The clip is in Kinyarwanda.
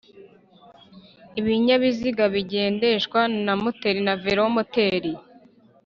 Ibinyabiziga bigendeshwa na moteri na velomoteri